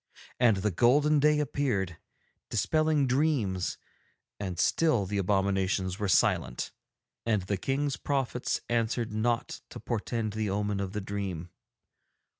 And the golden day appeared, dispelling dreams, and still the abominations were silent, and the King's prophets answered not to portend the omen of the dream.